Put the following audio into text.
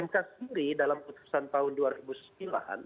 mk sendiri dalam putusan tahun dua ribu sembilan